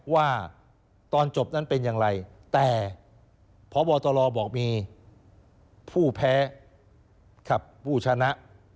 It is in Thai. ว่าตอนจบนั้นเป็นอย่างไรแต่พบตรบอกมีผู้แพ้กับผู้ชนะ